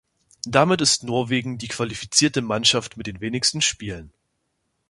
Damit ist Norwegen die qualifizierte Mannschaft mit den wenigsten Spielen.